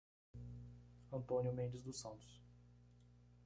Antônio Mendes dos Santos